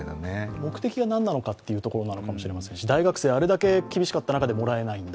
目的が何なのかというところかもしれませんし大学生、あれだけ厳しかった中でもらえないんだ。